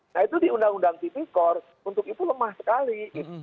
nah itu di undang undang tipikor untuk itu lemah sekali